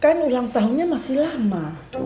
kan ulang tahunnya masih lama